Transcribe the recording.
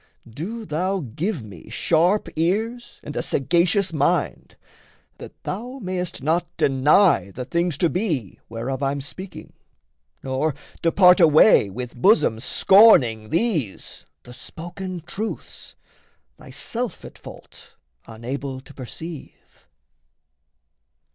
Do thou Give me sharp ears and a sagacious mind, That thou mayst not deny the things to be Whereof I'm speaking, nor depart away With bosom scorning these the spoken truths, Thyself at fault unable to perceive.